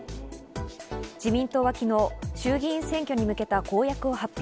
自民党は昨日、衆議院選挙に向けた公約を発表。